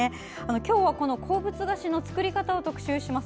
今日はこの鉱物菓子の作り方を特集します。